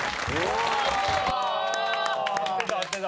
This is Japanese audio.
合ってた合ってた。